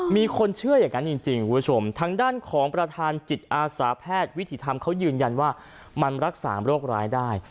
มีคนเชื่ออย่างนั้นจริงคุณผู้ชมทางด้านของประธานจิตอาสาแพทย์วิถีธรรมเขายืนยันว่ามันรักษาโรคร้ายได้